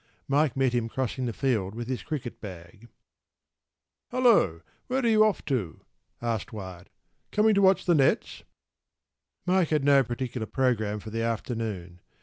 Mike met him crossing the field with his cricket bag. “Hullo, where are you off to?” asked Wyatt.  “Coming to watch the nets?” Mike had no particular programme for the afternoon.